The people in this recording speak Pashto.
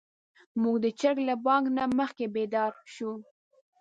موږ د چرګ له بانګ نه مخکې بيدار شوو.